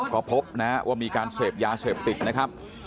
ก็พบนะฮะว่ามีการเสพยาเสพติดนะครับ